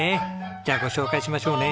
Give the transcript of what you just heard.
じゃあご紹介しましょうね。